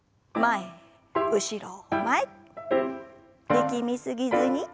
力み過ぎずに。